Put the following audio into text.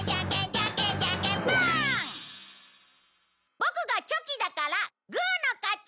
ボクがチョキだからグーの勝ち！